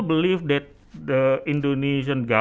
kita masih percaya bahwa